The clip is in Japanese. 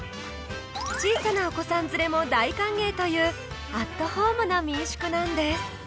小さなお子さん連れも大歓迎というアットホームな民宿なんです